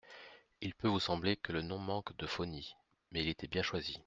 Il peut vous sembler que le nom manque d'euphonie, mais il était bien choisi.